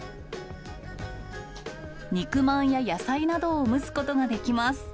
肉まんや野菜などを蒸すことができます。